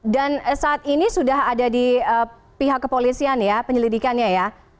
dan saat ini sudah ada di pihak kepolisian ya penyelidikannya ya